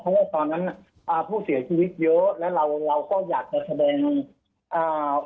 เพราะว่าตอนนั้นอ่าผู้เสียชีวิตเยอะแล้วเราเราก็อยากจะแสดงอ่า